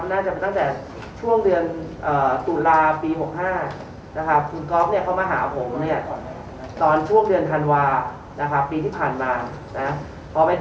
น่าจะมาตั้งแต่ช่วงเดือนตุลาปี๖๕นะครับคุณก๊อฟเนี่ยเขามาหาผมเนี่ยตอนช่วงเดือนธันวานะครับปีที่ผ่านมานะครับ